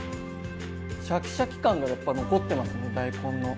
シャキシャキ感がやっぱ残ってますね大根の。